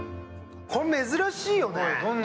これ、珍しいよね。